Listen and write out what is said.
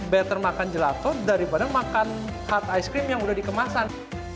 better makan gelato daripada makan hard ice cream yang udah dikemasan